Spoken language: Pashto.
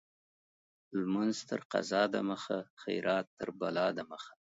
لمونځ تر قضا د مخه ، خيرات تر بلا د مخه.